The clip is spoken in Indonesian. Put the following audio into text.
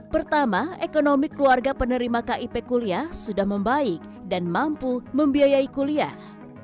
pertama ekonomi keluarga penerima kip kuliah sudah membaik dan mampu membiayai kuliah